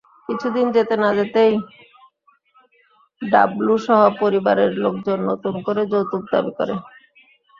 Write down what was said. কিছুদিন যেতে না-যেতেই ডাবলুসহ পরিবারের লোকজন নতুন করে যৌতুক দাবি করে।